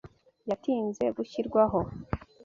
yatinze gushyirwaho.